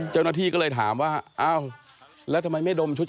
เจ้าหน้าที่ก็เลยถามว่า